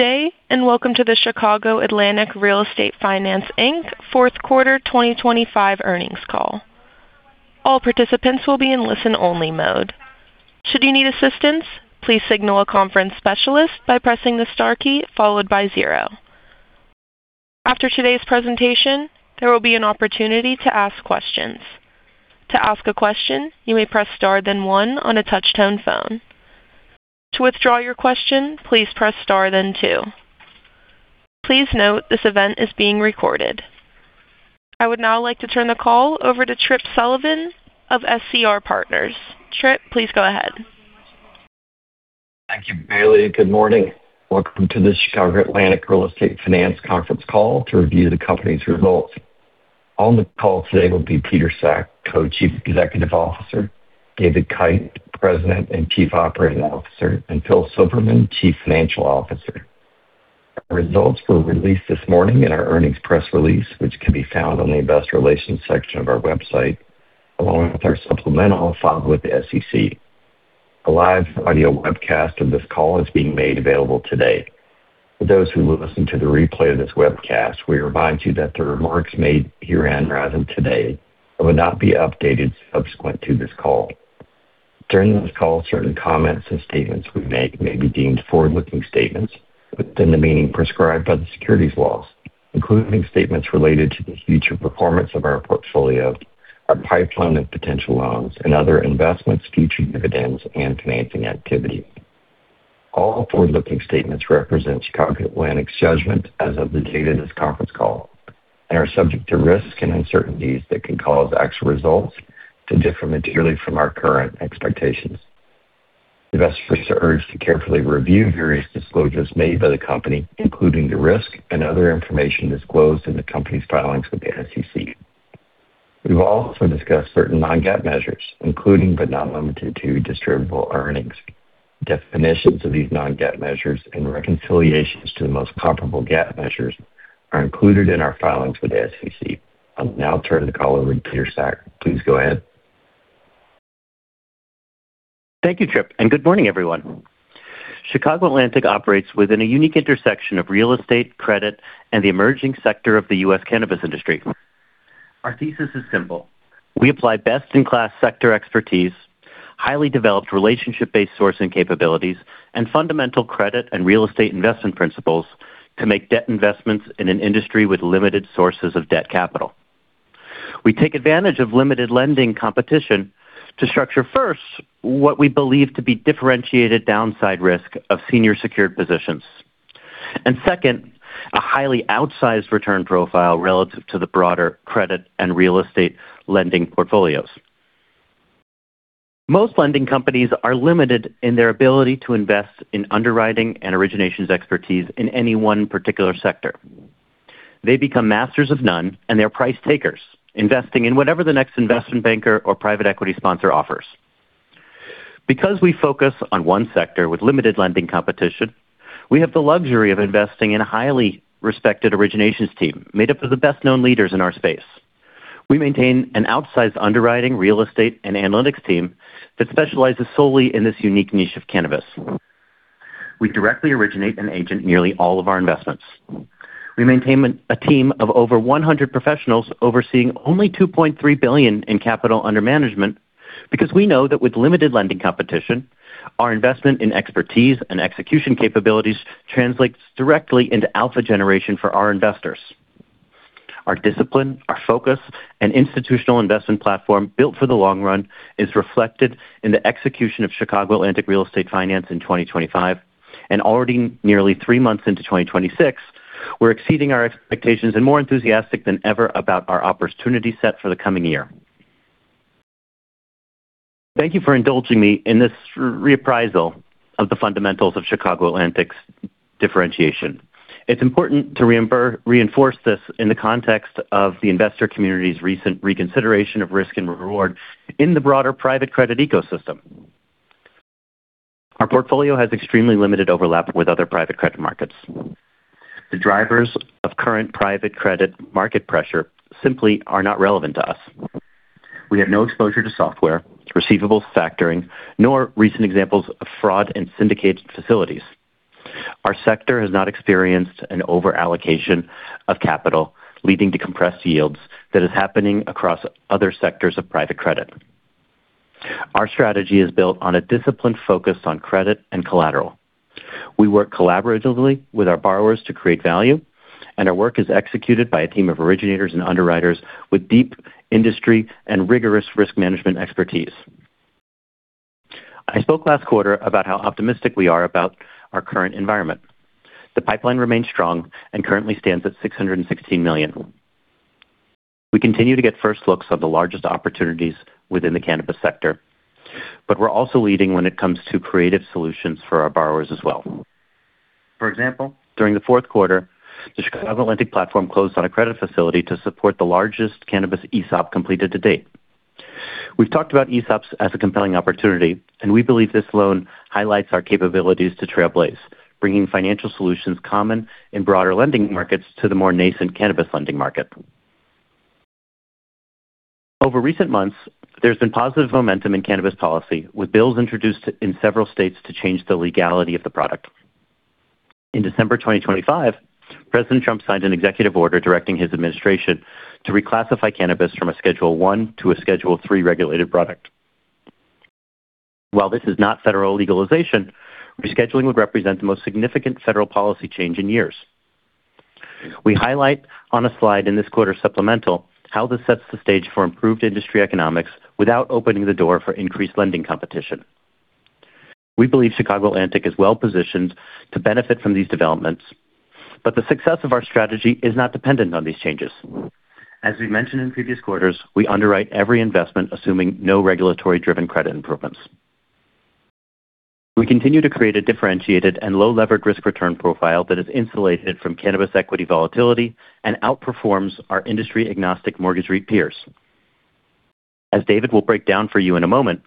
Day and welcome to the Chicago Atlantic Real Estate Finance, Inc fourth quarter 2025 earnings call. All participants will be in listen-only mode. Should you need assistance, please signal a conference specialist by pressing the star key followed by zero. After today's presentation, there will be an opportunity to ask questions. To ask a question, you may press star then one on a touch-tone phone. To withdraw your question, please press star then two. Please note this event is being recorded. I would now like to turn the call over to Tripp Sullivan of SCR Partners. Tripp, please go ahead. Thank you, Bailey. Good morning. Welcome to the Chicago Atlantic Real Estate Finance conference call to review the company's results. On the call today will be Peter Sack, Co-Chief Executive Officer, David Kite, President and Chief Operating Officer, and Phil Silverman, Chief Financial Officer. Our results were released this morning in our earnings press release, which can be found on the investor relations section of our website, along with our supplemental filed with the SEC. A live audio webcast of this call is being made available today. For those who listen to the replay of this webcast, we remind you that the remarks made herein today will not be updated subsequent to this call. During this call, certain comments and statements we make may be deemed forward-looking statements within the meaning prescribed by the securities laws, including statements related to the future performance of our portfolio, our pipeline of potential loans and other investments, future dividends, and financing activity. All forward-looking statements represent Chicago Atlantic's judgment as of the date of this conference call and are subject to risks and uncertainties that can cause actual results to differ materially from our current expectations. Investors are urged to carefully review various disclosures made by the company, including the risk and other information disclosed in the company's filings with the SEC. We will also discuss certain non-GAAP measures, including but not limited to distributable earnings. Definitions of these non-GAAP measures and reconciliations to the most comparable GAAP measures are included in our filings with the SEC. I'll now turn the call over to Peter Sack. Please go ahead. Thank you, Tripp, and good morning, everyone. Chicago Atlantic operates within a unique intersection of real estate, credit, and the emerging sector of the U.S. cannabis industry. Our thesis is simple. We apply best in class sector expertise, highly developed relationship-based sourcing capabilities, and fundamental credit and real estate investment principles to make debt investments in an industry with limited sources of debt capital. We take advantage of limited lending competition to structure first, what we believe to be differentiated downside risk of senior secured positions, and second, a highly outsized return profile relative to the broader credit and real estate lending portfolios. Most lending companies are limited in their ability to invest in underwriting and originations expertise in any one particular sector. They become masters of none and they are price takers, investing in whatever the next investment banker or private equity sponsor offers. Because we focus on one sector with limited lending competition, we have the luxury of investing in a highly respected originations team made up of the best known leaders in our space. We maintain an outsized underwriting, real estate, and analytics team that specializes solely in this unique niche of cannabis. We directly originate and arrange nearly all of our investments. We maintain a team of over 100 professionals overseeing only $2.3 billion in capital under management because we know that with limited lending competition, our investment in expertise and execution capabilities translates directly into alpha generation for our investors. Our discipline, our focus and institutional investment platform built for the long run is reflected in the execution of Chicago Atlantic Real Estate Finance in 2025 and already nearly three months into 2026, we're exceeding our expectations and more enthusiastic than ever about our opportunity set for the coming year. Thank you for indulging me in this reprisal of the fundamentals of Chicago Atlantic's differentiation. It's important to reinforce this in the context of the investor community's recent reconsideration of risk and reward in the broader private credit ecosystem. Our portfolio has extremely limited overlap with other private credit markets. The drivers of current private credit market pressure simply are not relevant to us. We have no exposure to software, receivables factoring, nor recent examples of fraud and syndicated facilities. Our sector has not experienced an over-allocation of capital, leading to compressed yields that is happening across other sectors of private credit. Our strategy is built on a disciplined focus on credit and collateral. We work collaboratively with our borrowers to create value, and our work is executed by a team of originators and underwriters with deep industry and rigorous risk management expertise. I spoke last quarter about how optimistic we are about our current environment. The pipeline remains strong and currently stands at $616 million. We continue to get first looks of the largest opportunities within the cannabis sector, but we're also leading when it comes to creative solutions for our borrowers as well. For example, during the fourth quarter, the Chicago Atlantic platform closed on a credit facility to support the largest cannabis ESOP completed to date. We've talked about ESOPs as a compelling opportunity, and we believe this loan highlights our capabilities to trailblaze, bringing financial solutions common in broader lending markets to the more nascent cannabis lending market. Over recent months, there's been positive momentum in cannabis policy, with bills introduced in several states to change the legality of the product. In December 2025, President Trump signed an executive order directing his administration to reclassify cannabis from a Schedule I to a Schedule III regulated product. While this is not federal legalization, rescheduling would represent the most significant federal policy change in years. We highlight on a slide in this quarter's supplemental how this sets the stage for improved industry economics without opening the door for increased lending competition. We believe Chicago Atlantic is well-positioned to benefit from these developments, but the success of our strategy is not dependent on these changes. As we mentioned in previous quarters, we underwrite every investment assuming no regulatory-driven credit improvements. We continue to create a differentiated and low-levered risk return profile that is insulated from cannabis equity volatility and outperforms our industry-agnostic mortgage REIT peers. As David will break down for you in a moment,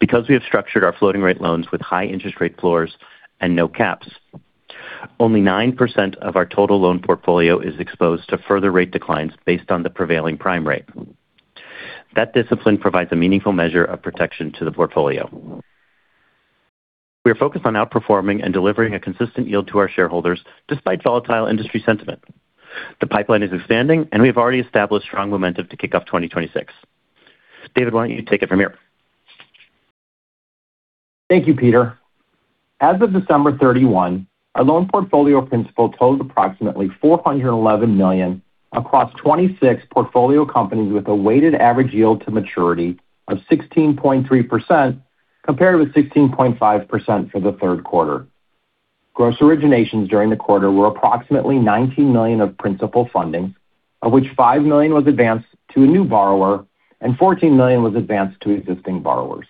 because we have structured our floating rate loans with high interest rate floors and no caps, only 9% of our total loan portfolio is exposed to further rate declines based on the prevailing prime rate. That discipline provides a meaningful measure of protection to the portfolio. We are focused on outperforming and delivering a consistent yield to our shareholders despite volatile industry sentiment. The pipeline is expanding, and we have already established strong momentum to kick off 2026. David, why don't you take it from here? Thank you, Peter. As of December 31, our loan portfolio principal totaled approximately $411 million across 26 portfolio companies with a weighted average yield to maturity of 16.3%, compared with 16.5% for the third quarter. Gross originations during the quarter were approximately $19 million of principal funding, of which $5 million was advanced to a new borrower and $14 million was advanced to existing borrowers.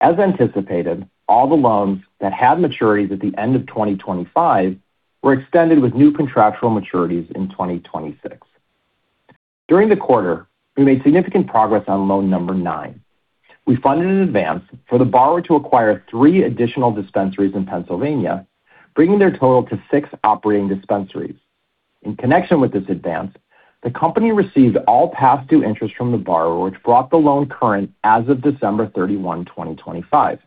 As anticipated, all the loans that had maturities at the end of 2025 were extended with new contractual maturities in 2026. During the quarter, we made significant progress on loan number nine. We funded an advance for the borrower to acquire three additional dispensaries in Pennsylvania, bringing their total to six operating dispensaries. In connection with this advance, the company received all past due interest from the borrower, which brought the loan current as of December 31, 2025.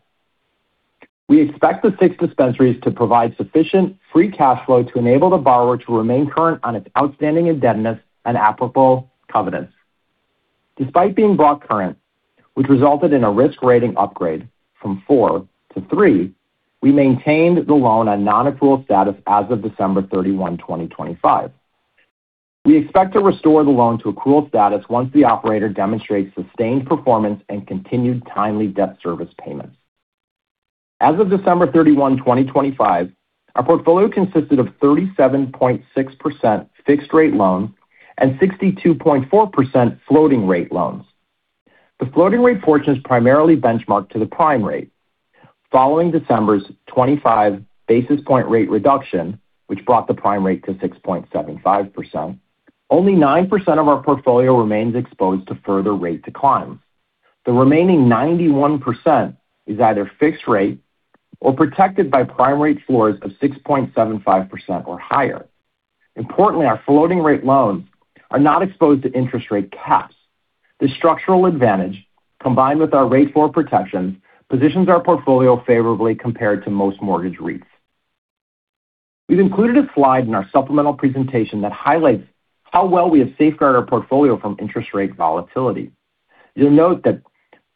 We expect the six dispensaries to provide sufficient free cash flow to enable the borrower to remain current on its outstanding indebtedness and applicable covenants. Despite being brought current, which resulted in a risk rating upgrade from four to three, we maintained the loan on non-accrual status as of December 31, 2025. We expect to restore the loan to accrual status once the operator demonstrates sustained performance and continued timely debt service payments. As of December 31, 2025, our portfolio consisted of 37.6% fixed-rate loans and 62.4% floating-rate loans. The floating rate portion is primarily benchmarked to the prime rate. Following December's 25 basis point rate reduction, which brought the prime rate to 6.75%, only 9% of our portfolio remains exposed to further rate decline. The remaining 91% is either fixed rate or protected by prime rate floors of 6.75% or higher. Importantly, our floating rate loans are not exposed to interest rate caps. This structural advantage, combined with our rate floor protections, positions our portfolio favorably compared to most mortgage REITs. We've included a slide in our supplemental presentation that highlights how well we have safeguarded our portfolio from interest rate volatility. You'll note that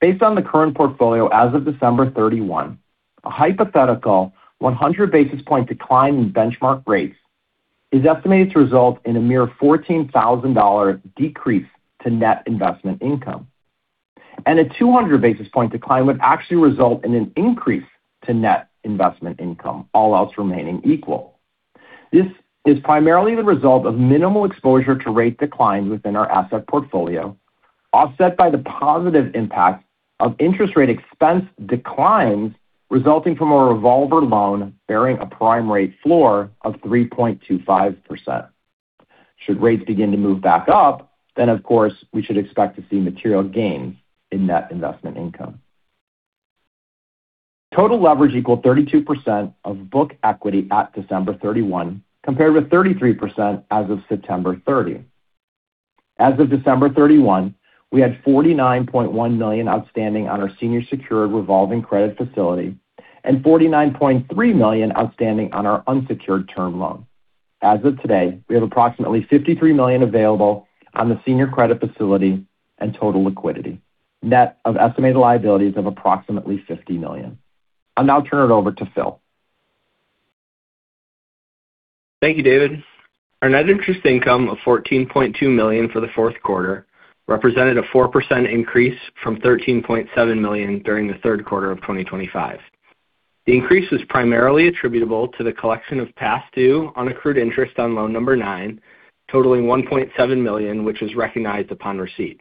based on the current portfolio as of December 31, a hypothetical 100 basis point decline in benchmark rates is estimated to result in a mere $14,000 decrease to net investment income. A 200 basis point decline would actually result in an increase to net investment income, all else remaining equal. This is primarily the result of minimal exposure to rate declines within our asset portfolio, offset by the positive impact of interest rate expense declines resulting from a revolver loan bearing a prime rate floor of 3.25%. Should rates begin to move back up, then of course, we should expect to see material gains in net investment income. Total leverage equaled 32% of book equity at December 31, compared with 33% as of September 30. As of December 31, we had $49.1 million outstanding on our senior secured revolving credit facility and $49.3 million outstanding on our unsecured term loan. As of today, we have approximately $53 million available on the senior credit facility and total liquidity, net of estimated liabilities of approximately $50 million. I'll now turn it over to Phil. Thank you, David. Our net interest income of $14.2 million for the fourth quarter represented a 4% increase from $13.7 million during the third quarter of 2025. The increase was primarily attributable to the collection of past due on accrued interest on loan number nine, totaling $1.7 million, which was recognized upon receipt.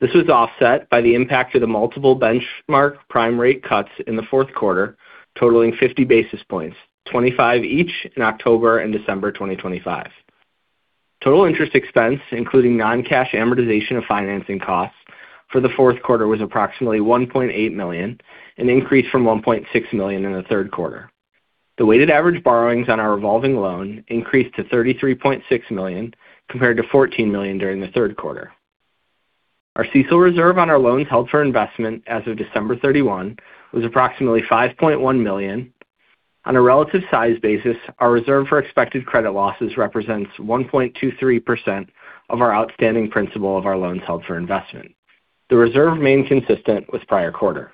This was offset by the impact of the multiple benchmark prime rate cuts in the fourth quarter, totaling 50 basis points, 25 each in October and December 2025. Total interest expense, including non-cash amortization of financing costs for the fourth quarter, was approximately $1.8 million, an increase from $1.6 million in the third quarter. The weighted average borrowings on our revolving loan increased to $33.6 million compared to $14 million during the third quarter. Our CECL reserve on our loans held for investment as of December 31 was approximately $5.1 million. On a relative size basis, our reserve for expected credit losses represents 1.23% of our outstanding principal of our loans held for investment. The reserve remained consistent with prior quarter.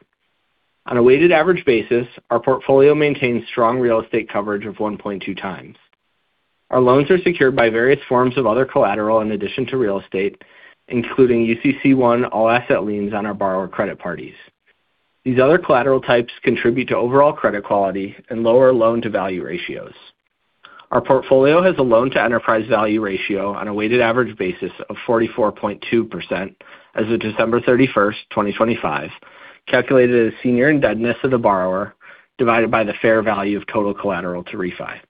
On a weighted average basis, our portfolio maintains strong real estate coverage of 1.2x. Our loans are secured by various forms of other collateral in addition to real estate, including UCC-1 all asset liens on our borrower credit parties. These other collateral types contribute to overall credit quality and lower loan to value ratios. Our portfolio has a loan to enterprise value ratio on a weighted average basis of 44.2% as of December 31, 2025, calculated as senior indebtedness of the borrower divided by the fair value of total collateral to REIT.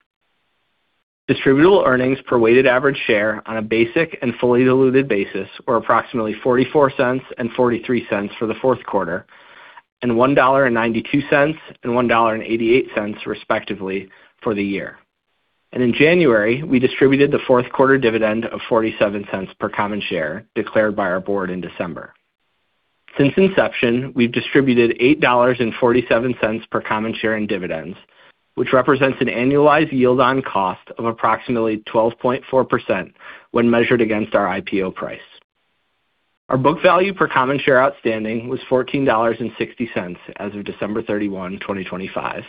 Distributable earnings per weighted average share on a basic and fully diluted basis were approximately $0.44 and $0.43 for the fourth quarter, and $1.92 and $1.88, respectively, for the year. In January, we distributed the fourth quarter dividend of $0.47 per common share declared by our board in December. Since inception, we've distributed $8.47 per common share in dividends, which represents an annualized yield on cost of approximately 12.4% when measured against our IPO price. Our book value per common share outstanding was $14.60 as of December 31, 2025,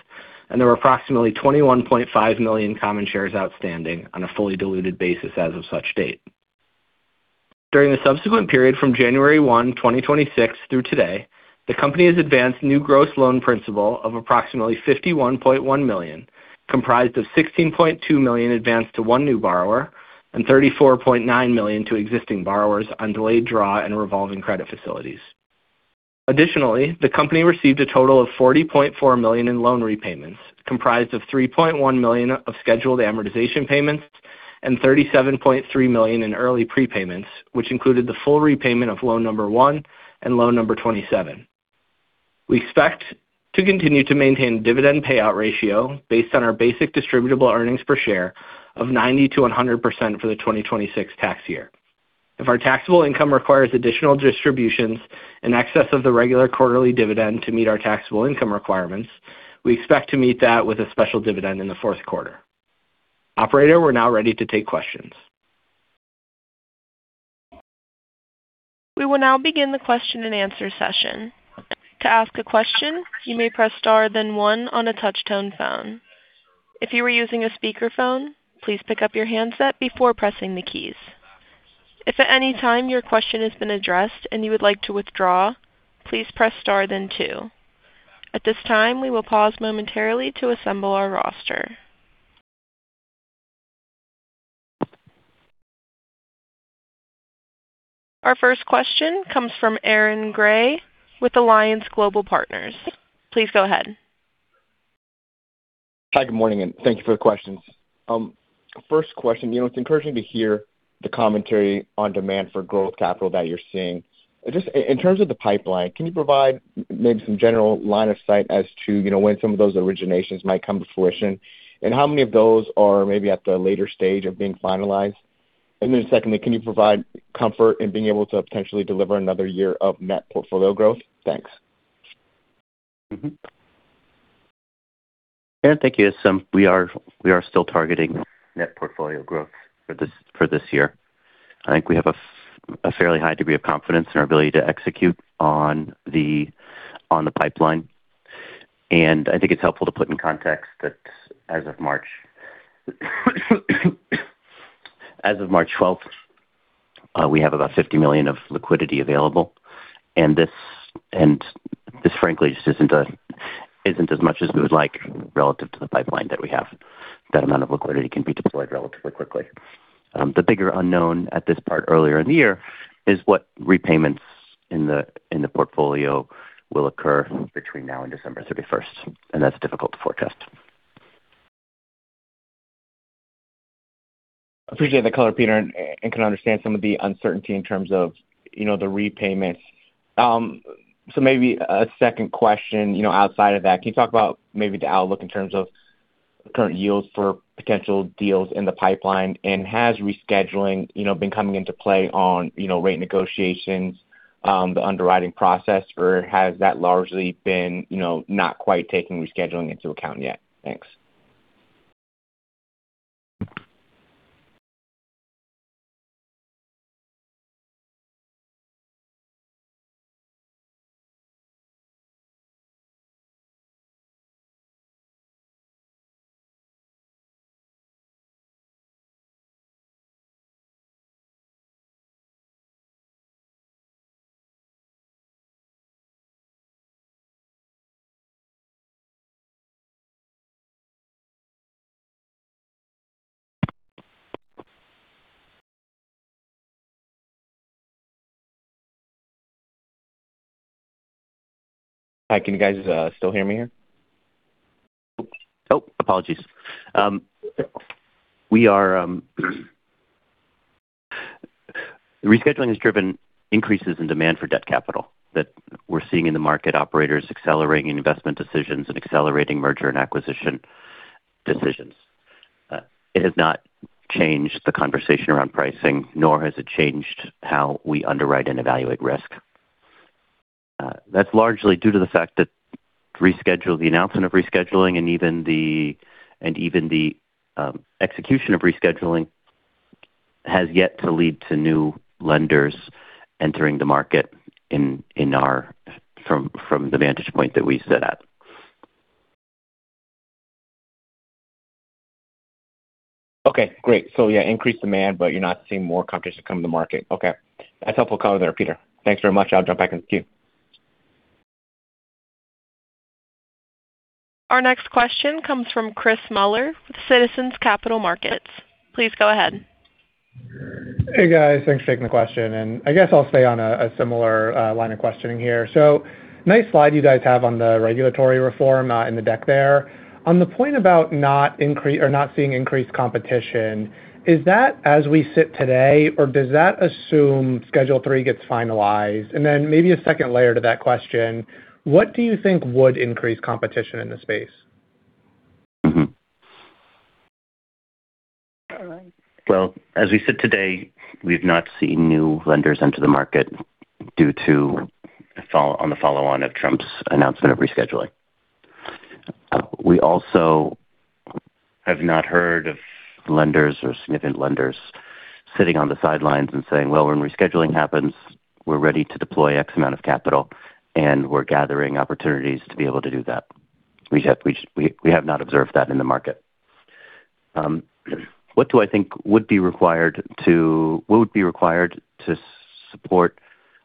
and there were approximately 21.5 million common shares outstanding on a fully diluted basis as of such date. During the subsequent period from January 1, 2026 through today, the company has advanced new gross loan principal of approximately $51.1 million, comprised of $16.2 million advanced to one new borrower and $34.9 million to existing borrowers on delayed draw and revolving credit facilities. Additionally, the company received a total of $40.4 million in loan repayments, comprised of $3.1 million of scheduled amortization payments and $37.3 million in early prepayments, which included the full repayment of loan number one and loan number 27. We expect to continue to maintain dividend payout ratio based on our basic distributable earnings per share of 90%-100% for the 2026 tax year. If our taxable income requires additional distributions in excess of the regular quarterly dividend to meet our taxable income requirements, we expect to meet that with a special dividend in the fourth quarter. Operator, we're now ready to take questions. We will now begin the question and answer session. To ask a question, you may press star then one on a touch-tone phone. If you are using a speakerphone, please pick up your handset before pressing the keys. If at any time your question has been addressed and you would like to withdraw, please press star then two. At this time, we will pause momentarily to assemble our roster. Our first question comes from Aaron Grey with Alliance Global Partners. Please go ahead. Hi, good morning, and thank you for the questions. First question. You know, it's encouraging to hear the commentary on demand for growth capital that you're seeing. Just in terms of the pipeline, can you provide maybe some general line of sight as to, you know, when some of those originations might come to fruition? How many of those are maybe at the later stage of being finalized? Secondly, can you provide comfort in being able to potentially deliver another year of net portfolio growth? Thanks. Mm-hmm. Aaron, thank you. We are still targeting net portfolio growth for this year. I think we have a fairly high degree of confidence in our ability to execute on the pipeline. I think it's helpful to put in context that as of March twelfth, we have about $50 million of liquidity available. This frankly just isn't as much as we would like relative to the pipeline that we have. That amount of liquidity can be deployed relatively quickly. The bigger unknown at this point earlier in the year is what repayments in the portfolio will occur between now and December thirty-first, and that's difficult to forecast. Appreciate the color, Peter, and can understand some of the uncertainty in terms of, you know, the repayments. Maybe a second question, you know, outside of that. Can you talk about maybe the outlook in terms of current yields for potential deals in the pipeline? Has rescheduling, you know, been coming into play on, you know, rate negotiations, the underwriting process? Or has that largely been, you know, not quite taking rescheduling into account yet? Thanks. Hi, can you guys still hear me here? Oh, apologies. We are- The rescheduling has driven increases in demand for debt capital that we're seeing in the market, operators accelerating investment decisions and accelerating merger and acquisition decisions. It has not changed the conversation around pricing, nor has it changed how we underwrite and evaluate risk. That's largely due to the fact that the announcement of rescheduling and even the execution of rescheduling has yet to lead to new lenders entering the market from our vantage point that we sit at. Okay, great. Yeah, increased demand, but you're not seeing more companies come to the market. Okay. That's helpful color there, Peter. Thanks very much. I'll jump back in the queue. Our next question comes from Chris Muller with Citizens Capital Markets. Please go ahead. Hey, guys. Thanks for taking the question, and I guess I'll stay on a similar line of questioning here. Nice slide you guys have on the regulatory reform in the deck there. On the point about not seeing increased competition, is that as we sit today or does that assume Schedule III gets finalized? Maybe a second layer to that question, what do you think would increase competition in the space? Well, as we sit today, we've not seen new lenders enter the market due to the follow-on of Trump's announcement of rescheduling. We also have not heard of lenders or significant lenders sitting on the sidelines and saying, "Well, when rescheduling happens, we're ready to deploy X amount of capital, and we're gathering opportunities to be able to do that." We have not observed that in the market. What do I think would be required to support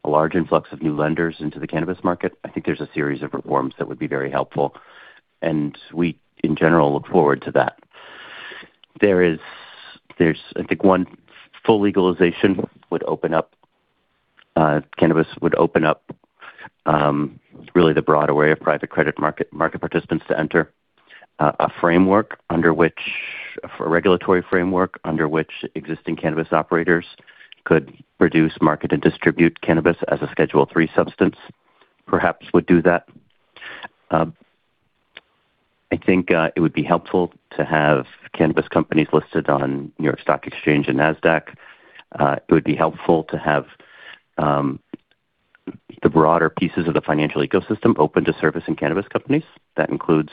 a large influx of new lenders into the cannabis market? I think there's a series of reforms that would be very helpful, and we in general look forward to that. There's, I think, one, full legalization would open up cannabis would open up really the broader way of private credit market market participants to enter. A regulatory framework under which existing cannabis operators could produce, market, and distribute cannabis as a Schedule III substance perhaps would do that. I think it would be helpful to have cannabis companies listed on New York Stock Exchange and Nasdaq. It would be helpful to have the broader pieces of the financial ecosystem open to servicing cannabis companies. That includes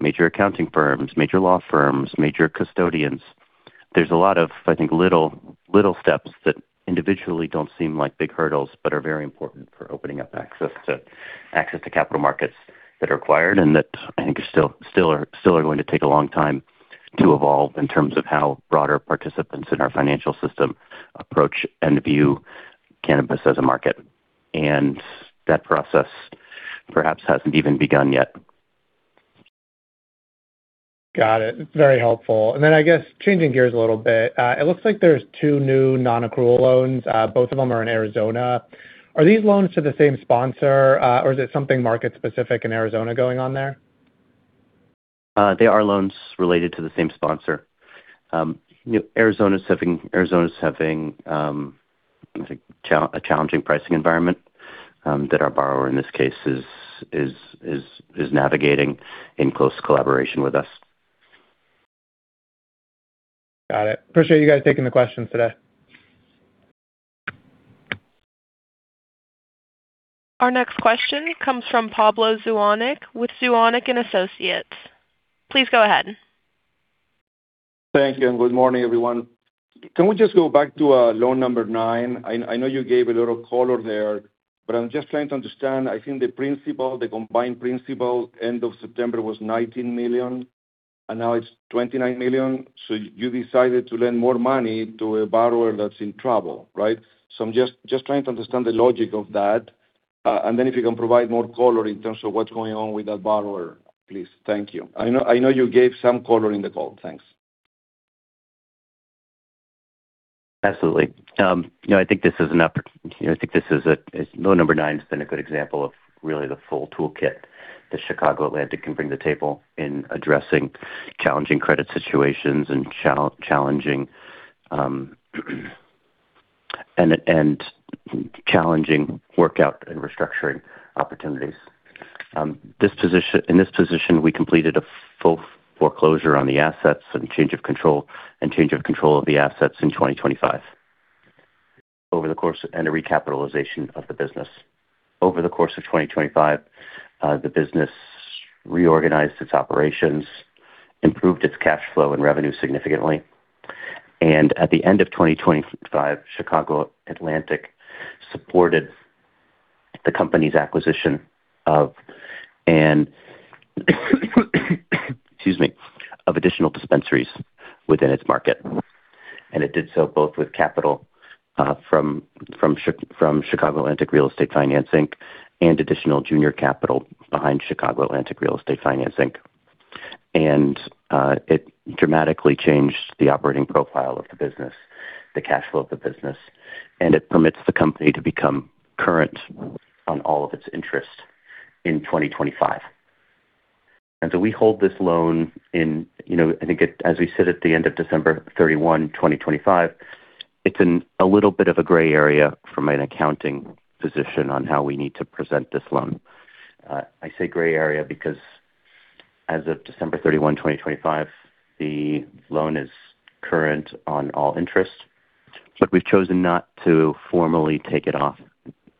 major accounting firms, major law firms, major custodians. There's a lot of, I think, little steps that individually don't seem like big hurdles, but are very important for opening up access to capital markets that are required and that I think still are going to take a long time to evolve in terms of how broader participants in our financial system approach and view cannabis as a market. That process perhaps hasn't even begun yet. Got it. It's very helpful. I guess changing gears a little bit, it looks like there's two new non-accrual loans. Both of them are in Arizona. Are these loans to the same sponsor, or is it something market specific in Arizona going on there? They are loans related to the same sponsor. Arizona's having a challenging pricing environment that our borrower in this case is navigating in close collaboration with us. Got it. Appreciate you guys taking the questions today. Our next question comes from Pablo Zuanic with Zuanic & Associates. Please go ahead. Thank you, and good morning, everyone. Can we just go back to loan number nine? I know you gave a little color there, but I'm just trying to understand. I think the principal, the combined principal end of September was $19 million and now it's $29 million. You decided to lend more money to a borrower that's in trouble, right? I'm just trying to understand the logic of that. If you can provide more color in terms of what's going on with that borrower, please. Thank you. I know you gave some color in the call. Thanks. Absolutely. You know, I think this is a loan number nine has been a good example of really the full toolkit that Chicago Atlantic can bring to the table in addressing challenging credit situations and challenging workout and restructuring opportunities. In this position, we completed a full foreclosure on the assets and change of control of the assets in 2025. Over the course of a recapitalization of the business. Over the course of 2025, the business reorganized its operations, improved its cash flow and revenue significantly. At the end of 2025, Chicago Atlantic supported the company's acquisition of additional dispensaries within its market. It did so both with capital from Chicago Atlantic Real Estate Finance, Inc Additional junior capital behind Chicago Atlantic Real Estate Finance, Inc. It dramatically changed the operating profile of the business, the cash flow of the business, and it permits the company to become current on all of its interest in 2025. We hold this loan in, you know, I think it, as we sit at the end of December 31, 2025, it's in a little bit of a gray area from an accounting position on how we need to present this loan. I say gray area because as of December 31, 2025, the loan is current on all interest, but we've chosen not to formally take it off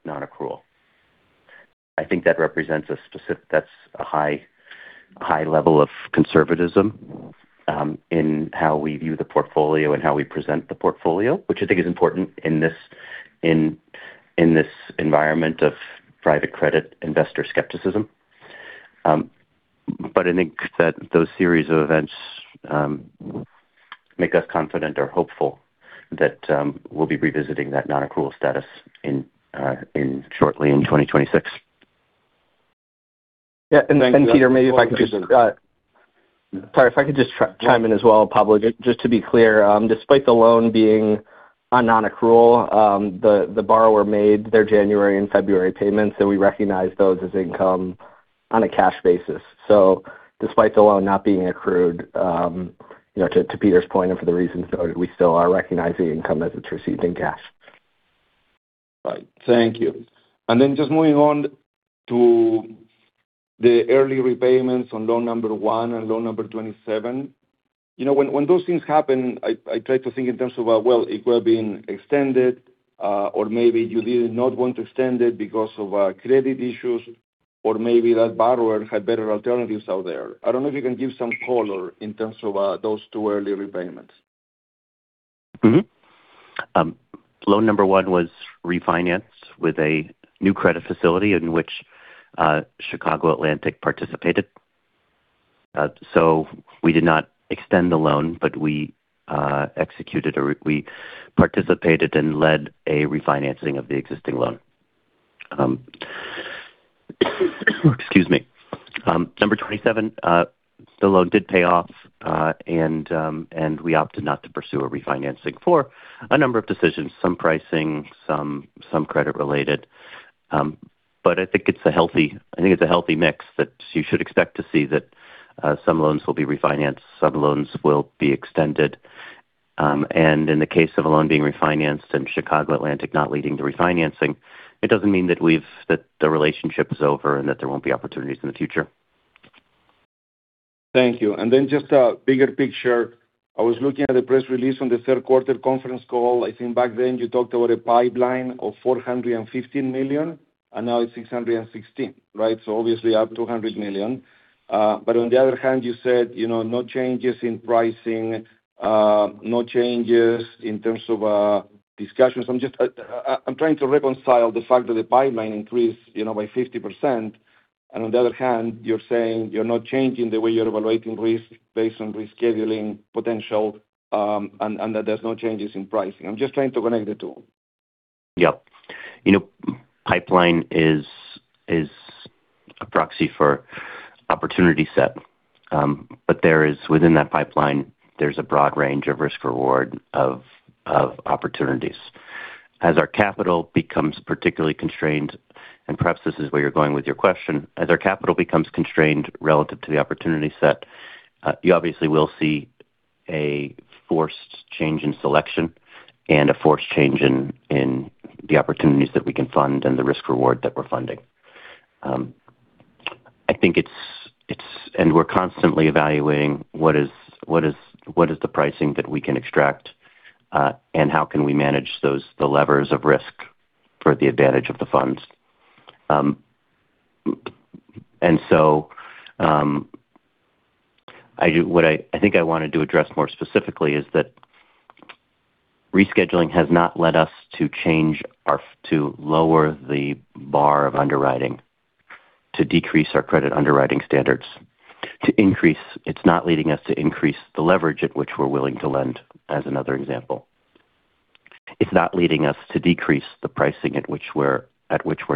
non-accrual. I think that's a high level of conservatism in how we view the portfolio and how we present the portfolio, which I think is important in this environment of private credit investor skepticism. I think that those series of events make us confident or hopeful that we'll be revisiting that non-accrual status shortly in 2026. Yeah. Peter, Sorry, if I could just chime in as well, Pablo. Just to be clear, despite the loan being on non-accrual, the borrower made their January and February payments, so we recognize those as income on a cash basis. Despite the loan not being accrued, you know, to Peter's point and for the reasons though, we still are recognizing income as it's received in cash. Right. Thank you. Just moving on to the early repayments on loan number one and loan number 27. You know, when those things happen, I try to think in terms of, well, it could have been extended, or maybe you did not want to extend it because of credit issues or maybe that borrower had better alternatives out there. I don't know if you can give some color in terms of those two early repayments. Loan number one was refinanced with a new credit facility in which Chicago Atlantic participated. We did not extend the loan, but we executed or we participated and led a refinancing of the existing loan. Excuse me. Number 27, the loan did pay off, and we opted not to pursue a refinancing for a number of decisions, some pricing, some credit related. I think it's a healthy mix that you should expect to see that some loans will be refinanced, some loans will be extended. In the case of a loan being refinanced and Chicago Atlantic not leading to refinancing, it doesn't mean that we've that the relationship is over and that there won't be opportunities in the future. Thank you. Just a bigger picture. I was looking at the press release on the third quarter conference call. I think back then you talked about a pipeline of $450 million, and now it's $660 million, right? Obviously up $200 million. On the other hand you said, you know, no changes in pricing, no changes in terms of discussions. I'm just trying to reconcile the fact that the pipeline increased, you know, by 50%. On the other hand, you're saying you're not changing the way you're evaluating risk based on rescheduling potential, and that there's no changes in pricing. I'm just trying to connect the two. Yep. You know, pipeline is a proxy for opportunity set. There is within that pipeline, there's a broad range of risk reward of opportunities. As our capital becomes particularly constrained, and perhaps this is where you're going with your question, as our capital becomes constrained relative to the opportunity set, you obviously will see a forced change in selection and a forced change in the opportunities that we can fund and the risk reward that we're funding. I think it's. We're constantly evaluating what is the pricing that we can extract, and how can we manage the levers of risk for the advantage of the funds. What I think I wanted to address more specifically is that rescheduling has not led us to lower the bar of underwriting, to decrease our credit underwriting standards, to increase. It's not leading us to increase the leverage at which we're willing to lend as another example. It's not leading us to decrease the pricing at which we're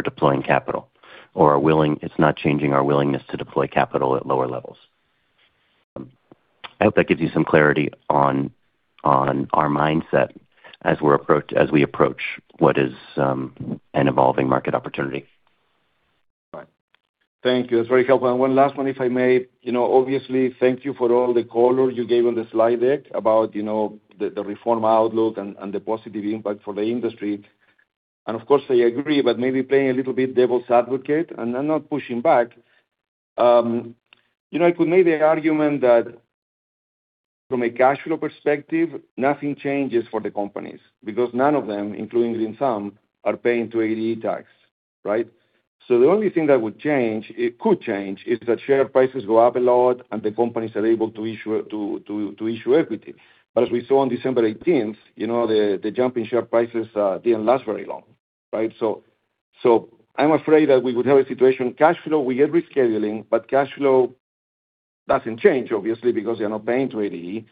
deploying capital or are willing. It's not changing our willingness to deploy capital at lower levels. I hope that gives you some clarity on our mindset as we approach what is an evolving market opportunity. Right. Thank you. That's very helpful. One last one if I may. You know, obviously, thank you for all the color you gave on the slide deck about, you know, the reform outlook and the positive impact for the industry. Of course, I agree, but maybe playing a little bit devil's advocate, and I'm not pushing back, you know, I could make the argument that from a cash flow perspective, nothing changes for the companies because none of them, including some, are paying 280E tax, right? The only thing that would change, it could change, is that share prices go up a lot and the companies are able to issue equity. As we saw on December eighteenth, you know, the jump in share prices didn't last very long, right? I'm afraid that we would have a situation cash flow, we get rescheduling, but cash flow doesn't change obviously because they're not paying 280E,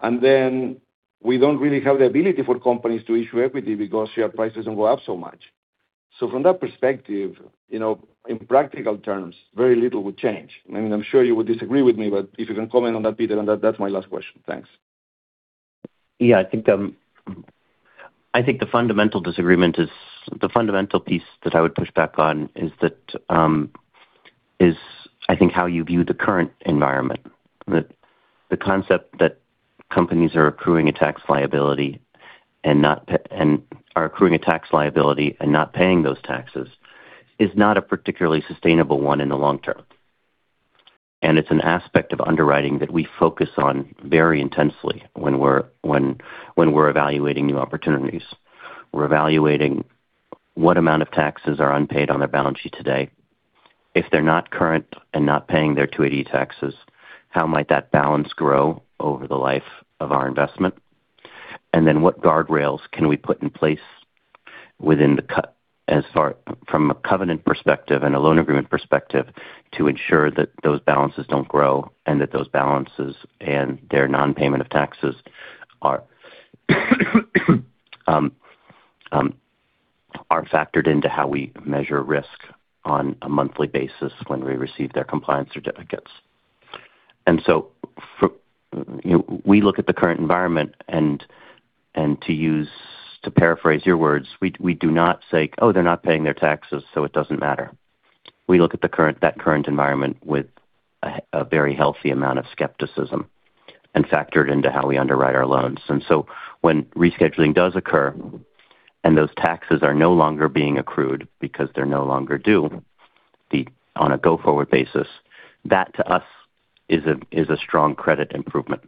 and then we don't really have the ability for companies to issue equity because share price doesn't go up so much. From that perspective, you know, in practical terms, very little would change. I mean, I'm sure you would disagree with me, but if you can comment on that, Peter, then that's my last question. Thanks. Yeah, I think the fundamental disagreement is the fundamental piece that I would push back on is that I think how you view the current environment. The concept that companies are accruing a tax liability and not paying those taxes is not a particularly sustainable one in the long term. It's an aspect of underwriting that we focus on very intensely when we're evaluating new opportunities. We're evaluating what amount of taxes are unpaid on their balance sheet today. If they're not current and not paying their 280E taxes, how might that balance grow over the life of our investment? What guardrails can we put in place as far as a covenant perspective and a loan agreement perspective, to ensure that those balances don't grow and that those balances and their non-payment of taxes are factored into how we measure risk on a monthly basis when we receive their compliance certificates. For, you know, we look at the current environment and to paraphrase your words, we do not say, "Oh, they're not paying their taxes, so it doesn't matter." We look at that current environment with a very healthy amount of skepticism and factor it into how we underwrite our loans. When rescheduling does occur and those taxes are no longer being accrued because they're no longer due on a go-forward basis, that to us is a strong credit improvement.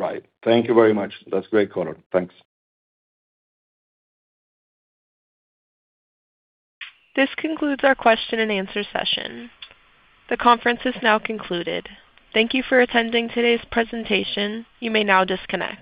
Right. Thank you very much. That's great, color. Thanks. This concludes our question and answer session. The conference is now concluded. Thank you for attending today's presentation. You may now disconnect.